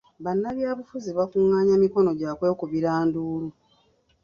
Bannabyabufuzi bakungaanya mikono gya kwekubira nduulu.